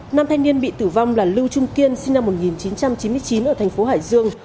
nam thanh niên bị tử vong là lưu trung kiên sinh năm một nghìn chín trăm chín mươi chín ở thành phố hải dương